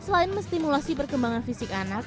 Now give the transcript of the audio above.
selain menstimulasi perkembangan fisik anak